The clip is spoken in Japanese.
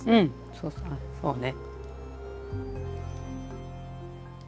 そうそうそうね。